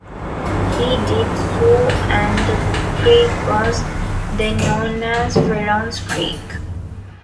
He did so and the creek was then known as Ferron's Creek.